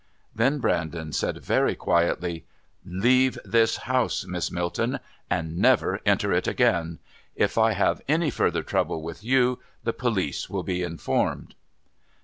Then Brandon said very quietly, "Leave this house, Miss Milton, and never enter it again. If I have any further trouble with you, the police will be informed."